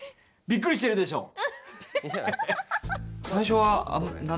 びっくりしてるでしょ！